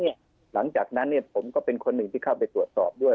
หลังจากนั้นผมก็เป็นคนหนึ่งที่เข้าไปตรวจสอบด้วย